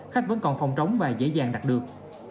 khách vẫn còn phòng trống và dễ dàng đặt được